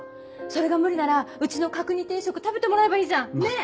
それが無理ならうちの角煮定食食べてもらえばいいじゃんねっ！